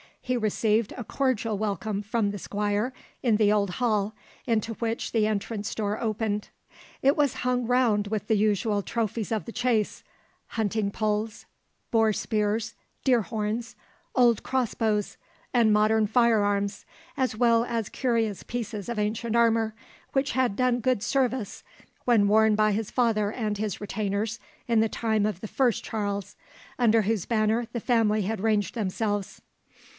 He received a cordial welcome from the Squire in the old hall, into which the entrance door opened. It was hung round with the usual trophies of the chase, hunting poles, boar spears, deer horns, old cross bows, and modern fire arms, as well as curious pieces of ancient armour, which had done good service when worn by his father and his retainers in the time of the first Charles, under whose banner the family had ranged themselves.